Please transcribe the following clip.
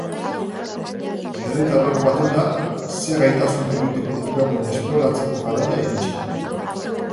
Herritarrok, batuta, zer gaitasun politiko daukagun esploratzeko garaia iritsi da.